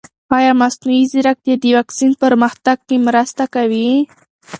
ایا مصنوعي ځیرکتیا د واکسین پرمختګ کې مرسته کوي؟